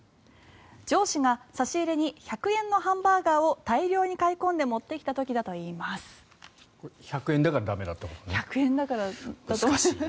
上司が差し入れに１００円のハンバーガーを大量に買い込んで持ってきた時だといいます。